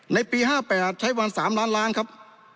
ในปี๕๘ใช้ประมาณ๓ล้านล้านครับ